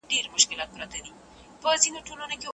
ملا بانګ کټ ته راغی.